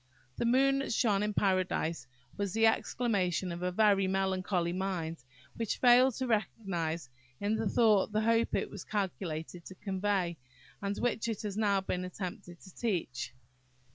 "The moon that shone in Paradise," was the ex clamation of a very melancholy mind, which failed to recognise in the thought the hope it was calculated to convey, and which it has now been attempted to teach.